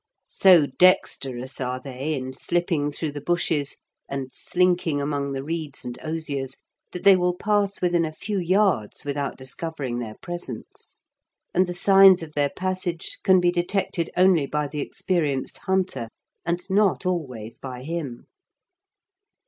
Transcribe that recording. So dexterous are they in slipping through the bushes, and slinking among the reeds and osiers, that they will pass within a few yards without discovering their presence, and the signs of their passage can be detected only by the experienced hunter, and not always by him.